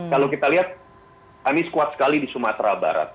kalau kita lihat anies kuat sekali di sumatera barat